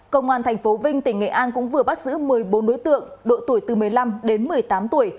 công an tp vinh tỉnh nghệ an cũng vừa bắt giữ một mươi bốn đối tượng độ tuổi từ một mươi năm đến một mươi tám tuổi